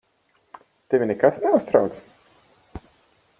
Tevi nekas neuztrauc.